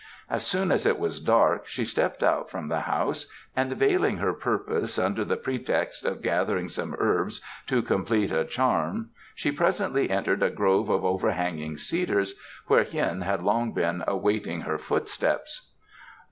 As soon as it was dark she stepped out from the house and veiling her purpose under the pretext of gathering some herbs to complete a charm she presently entered a grove of overhanging cedars where Hien had long been awaiting her footsteps.